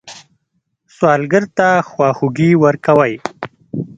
سوالګر ته خواخوږي ورکوئ